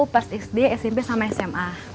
persis di smp sama sma